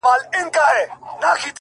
داسي نه كيږي چي اوونـــۍ كې گـــورم،